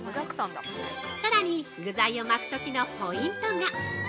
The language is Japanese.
◆さらに具材を巻くときのポイントが。